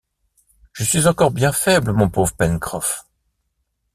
Je suis encore bien faible, mon pauvre Pencroff !